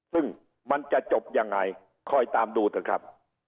ซึ่งมันจะจบยังไงคอยตามดูเถอะครับ